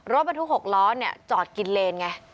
รถบรรทุก๖ล้อเนี่ยจอดกินเลนไง